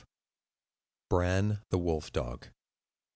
V. BRAN, THE WOLF DOG.